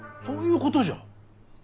そういうことじゃ。